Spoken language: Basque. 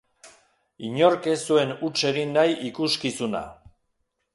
Inork ez zuen huts egin nahi ikuskizuna.